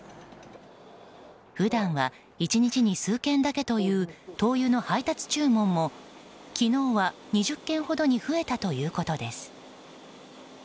普段は１日に数件だけという灯油の配達注文も昨日は２０件ほどに増えたということです。